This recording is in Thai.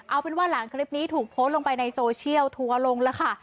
เอาเป็นว่าหลังคลิปนี้ถูกโพสต์ลงไปในโซเชียลทัวร์ลงแล้วค่ะ